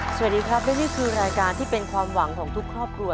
สวัสดีครับและนี่คือรายการที่เป็นความหวังของทุกครอบครัว